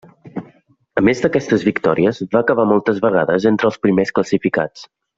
A més d'aquestes victòries, va acabar moltes vegades entre els primers classificats.